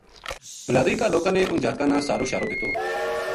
بلادری کا لوکاں نے اُنھ جاتکاں نا سھارو شھارو دِتو